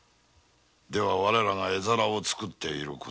では我らが絵皿を作っている事を。